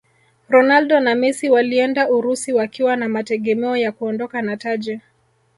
ronaldo na messi walienda urusi wakiwa na mategemeo ya kuondoka na taji